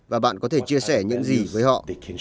và bạn có thể chia sẻ những gì với họ